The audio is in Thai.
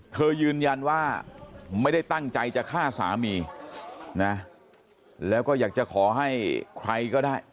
ยืนยันว่าไม่ได้ตั้งใจจะฆ่าสามีนะแล้วก็อยากจะขอให้ใครก็ได้